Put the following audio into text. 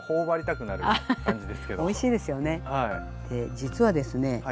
実はですね